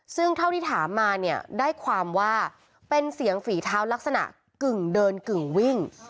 ซึ่งเท่าที่ถามมาเนี่ยได้ความว่าเป็นเสียงฝีเท้าลักษณะกึ่งเดินกึ่งวิ่ง